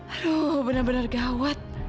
aduh benar benar gawat